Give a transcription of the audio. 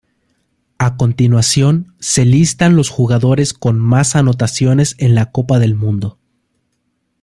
A continuación se listan los jugadores con más anotaciones en la Copa del Mundo.